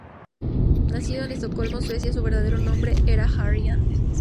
Nacido en Estocolmo, Suecia, su verdadero nombre era Harry Hansen.